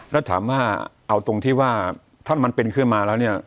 แล้วถามว่าเอาตรงที่ว่าถ้ามันเป็นขึ้นมาแล้วเนี่ย